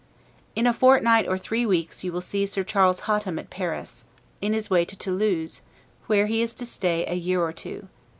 In a fortnight or three weeks you will see Sir Charles Hotham at Paris, in his way to Toulouse, where he is to stay a year or two.